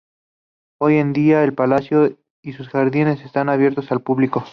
Hoy en día el palacio y sus jardines están abiertos al público.